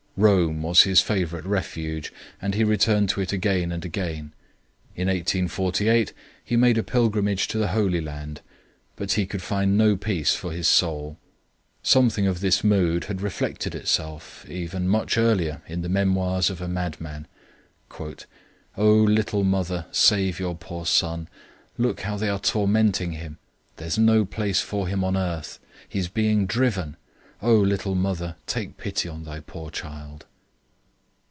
Rome was his favourite refuge, and he returned to it again and again. In 1848, he made a pilgrimage to the Holy Land, but he could find no peace for his soul. Something of this mood had reflected itself even much earlier in the Memoirs of a Madman: "Oh, little mother, save your poor son! Look how they are tormenting him.... There's no place for him on earth! He's being driven!... Oh, little mother, take pity on thy poor child."